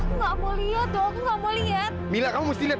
aku gak mau liat dong aku gak mau liat